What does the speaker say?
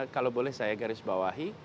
kalau boleh saya garis bawahi